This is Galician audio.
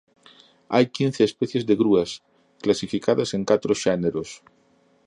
Hai quince especies de grúas clasificadas en catro xéneros.